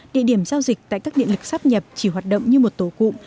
địa điểm giao dịch tại các điện lực sắp nhập chỉ hoạt động như một tổ cụm